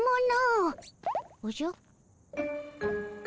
おじゃ？